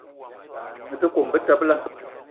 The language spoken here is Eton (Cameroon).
Me te kome betebela.